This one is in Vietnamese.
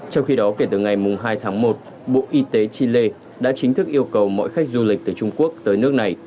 trong khi đó kể từ ngày hai tháng một bộ y tế chile đã chính thức yêu cầu mọi khách du lịch từ trung quốc tới nước này